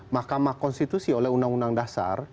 mahkamah konstitusi oleh undang undang dasar